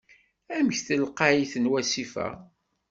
Amek telqayt n wasif-a?